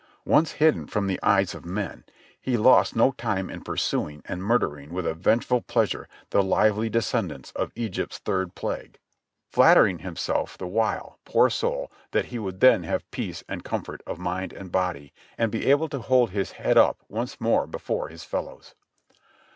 Once hidden from the eyes of men he lost no time in pursuing and murdering with a vengeful pleasure the lively descendants of Egypt's third plague, flatter 28o JOHNNY RE:b AND BILLY YANK ing himself the while, poor soul, that he would then have peace and comfort of mind and body, and be able to hold his head up once more before his fellows.